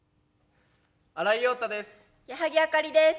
新井庸太です。